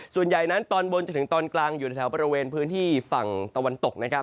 ส่วนใหญ่นั้นตอนบนจนถึงตอนกลางอยู่ในแถวบริเวณพื้นที่ฝั่งตะวันตกนะครับ